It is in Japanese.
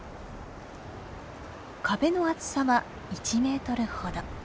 壁の厚さは１メートルほど。